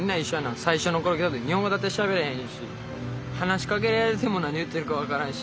最初の頃来た時日本語だってしゃべれへんし話しかけられても何言ってるか分からんし。